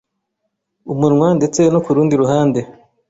umunwa ndetse no kurundi ruhande